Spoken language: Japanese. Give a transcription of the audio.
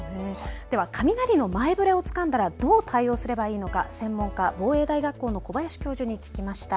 では雷の前触れをつかんだらどう対応すればいいのか、専門家、防衛大学校の小林教授に聞きました。